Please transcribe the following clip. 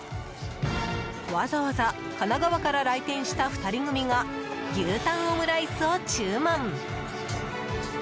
わざわざ神奈川から来店した２人組が牛タンオムライスを注文。